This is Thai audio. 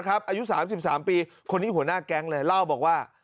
อายุ๓๓ปีคนนี้หัวหน้าแก๊งเลยเล่าบอกว่า